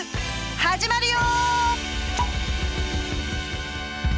始まるよ！